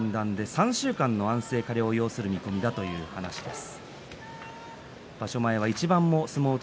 ３週間の安静、加療を要するということです。